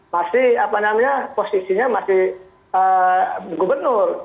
masih apa namanya posisinya masih gubernur